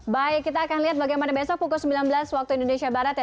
baik kita akan lihat bagaimana besok pukul sembilan belas waktu indonesia barat ya